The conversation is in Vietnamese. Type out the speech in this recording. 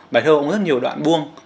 bài thơ cũng rất nhiều đoạn buông